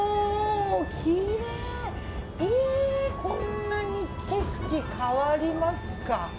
こんなに景色変わりますか。